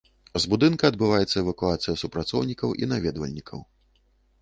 З будынка адбываецца эвакуацыя супрацоўнікаў і наведвальнікаў.